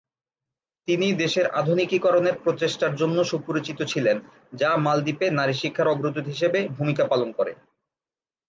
তিনি দেশের আধুনিকীকরণের প্রচেষ্টার জন্য সুপরিচিত ছিলেন, যা মালদ্বীপে নারী শিক্ষার অগ্রদূত হিসেবে ভূমিকা পালন করে।